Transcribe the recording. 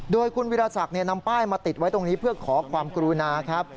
โดยคุณวิราศักดิ์นำป้ายมาติดไว้ตรงนี้เพื่อขอความกรุณาครับ